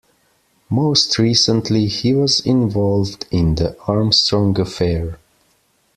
Most recently, he was involved in the Armstrong affair.